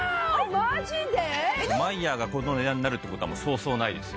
マイヤーがこの値段になるっていう事はそうそうないですよ。